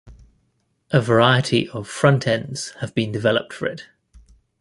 A variety of front ends have been developed for it.